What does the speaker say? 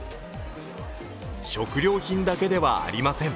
食料品だけではありません。